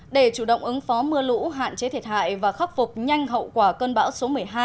để chủ động ứng phó mưa lũ hạn chế thiệt hại và khắc phục nhanh hậu quả cơn bão số một mươi hai